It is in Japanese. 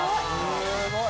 すごい！